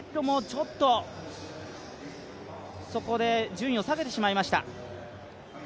ちょっとそこで順位を下げてしまいました。